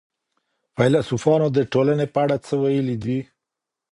فيلسوفانو د ټولني په اړه څه ويلي دي؟